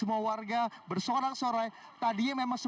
ulang perjalan ini mudah